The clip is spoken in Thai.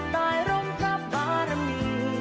ตายร่มข้าภารมี